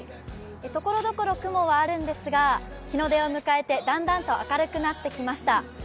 所々雲はあるんですが、日の出を迎えてだんだんと明るくなってきました。